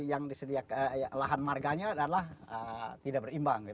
yang disediakan lahan marganya adalah tidak berimbang